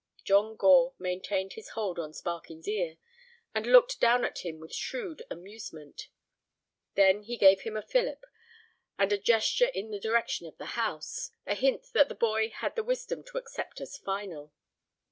John Gore maintained his hold on Sparkin's ear, and looked down at him with shrewd amusement. Then he gave him a fillip, and a gesture in the direction of the house, a hint that the boy had the wisdom to accept as final.